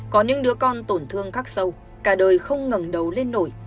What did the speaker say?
có những đứa con tổn thương khắc sâu cả đời không ngừng đầu lên nổi